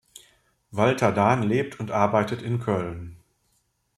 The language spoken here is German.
Walter Dahn lebt und arbeitet in Köln.